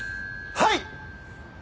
はい！